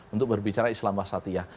untuk berbicara islam wasatiyah